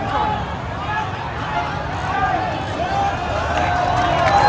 สวัสดีครับทุกคน